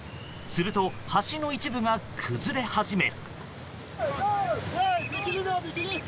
すると、橋の一部が崩れ始め。